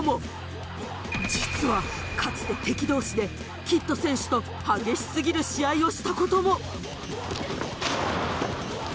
実はかつて敵同士でキッド選手と激しすぎる試合をした事も！